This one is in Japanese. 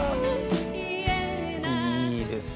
いいですよね。